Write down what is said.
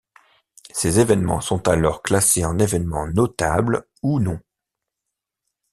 Ces événements sont alors classés en événements notables ou non.